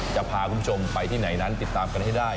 จะพาคุณผู้ชมไปที่ไหนนั้นติดตามกันให้ได้